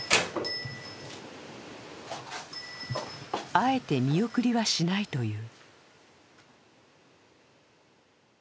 あえて見送りはしないという。